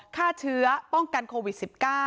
ฆ่าเชื้อป้องกันโควิด๑๙